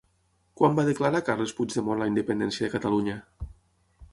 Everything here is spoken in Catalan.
Quan va declarar Carles Puigdemont la independència de Catalunya?